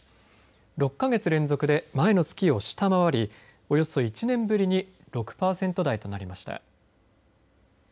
６か月連続で前の月を下回りおよそ１年ぶりに６パーセント台となりました。